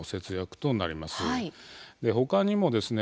でほかにもですね